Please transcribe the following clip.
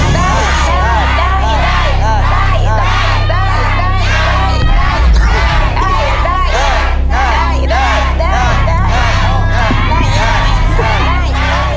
ได้